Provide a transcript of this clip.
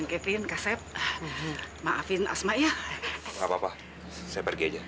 gak apa apa saya pergi aja